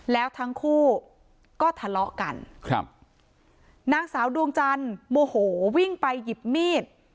แล้วทั้งคู่ก็ทะเลาะกันครับนางสาวดวงจันทร์โมโหวิ่งไปหยิบมีด